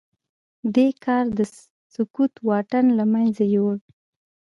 دې کار د سکوت واټن له منځه يووړ.